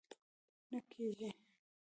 نه کېږي!